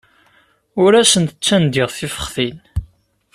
Ur asent-ttandiɣ tifextin.